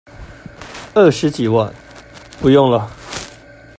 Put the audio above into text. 二十幾萬不用了